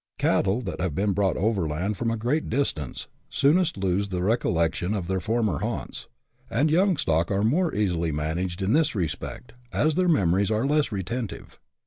57 Cattle that have been brought overland from a great distance soonest lose the recollection of their former haunts ; and young stock are more easily managed in this respect, as their memories Are less retentive.